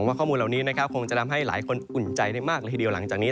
ผมว่าข้อมูลเหล่านี้คงจะทำให้หลายคนอุ่นใจได้มากหลังจากนี้